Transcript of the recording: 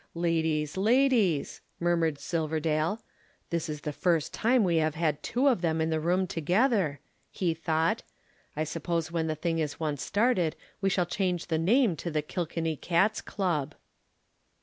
"Ladies, ladies!" murmured Silverdale. "This is the first time we have had two of them in the room together," he thought. "I suppose when the thing is once started we shall change the name to the Kilkenny Cats' Club."